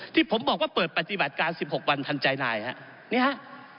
ที่ผมบอกว่าเปิดปฏิบัติการ๑๖วันทันใจนายฮะนี่ฮะ